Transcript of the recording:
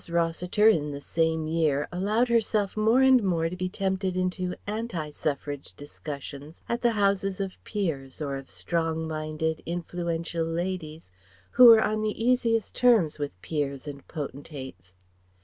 Rossiter in the same year allowed herself more and more to be tempted into anti suffrage discussions at the houses of peers or of strong minded, influential ladies who were on the easiest terms with peers and potentates.